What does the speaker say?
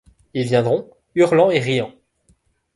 Ils viendront, hurlant et riant